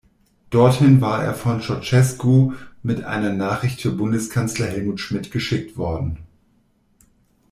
Dorthin war er von Ceaușescu mit einer Nachricht für Bundeskanzler Helmut Schmidt geschickt worden.